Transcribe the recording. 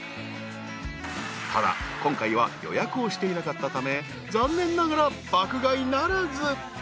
［ただ今回は予約をしていなかったため残念ながら爆買いならず］